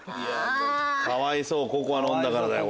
かわいそうココア飲んだからだよ。